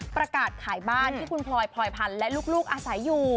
ประกาศขายบ้านที่คุณพลอยพลอยพันธ์และลูกอาศัยอยู่